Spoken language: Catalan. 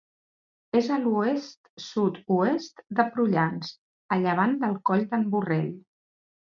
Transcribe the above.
És a l'oest-sud-oest de Prullans, a llevant del Coll d'en Borrell.